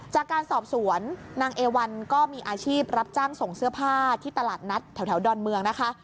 จากการสอบสวนนางเอวันก็มีอาชีพรับจ้างส่งเสื้อผ้าที่ตลาดนัดแถวดอนเมืองนะคะ